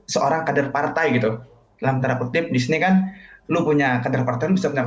seorang kader partai gitu dalam tanda kutip disini kan lo punya kader partai lo bisa punya